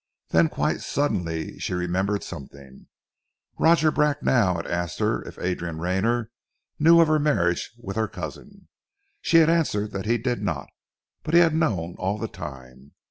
Then quite suddenly she remembered something. Roger Bracknell had asked her if Adrian Rayner knew of her marriage with her cousin. She had answered that he did not, but he had known all the time!